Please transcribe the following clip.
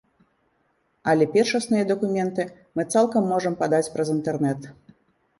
Але першасныя дакументы мы цалкам можам падаць праз інтэрнэт.